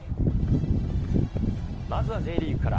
まずはＪリーグから。